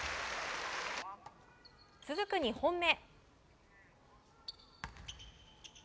続く２本目。